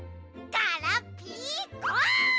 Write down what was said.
ガラピコ！